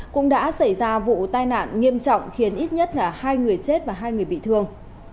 cũng đã xảy ra vụ tai nạn nghiêm trọng khiến ít nhất là hai người chết và hai người bị thương